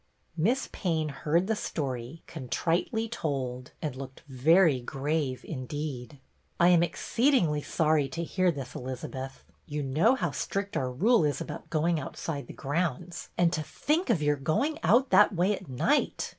Miss Payne heard the story, contritely told, and looked very grave indeed. " I am exceedingly sorry to hear this, Eliz abeth. You know how strict our rule is about going outside the grounds ; and to think of your going out that way at night!